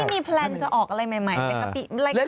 พี่มีแพลนจะออกอะไรใหม่ไปครับ